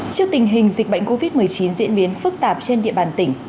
trước tình hình dịch bệnh covid một mươi chín diễn biến phức tạp trên địa bàn tỉnh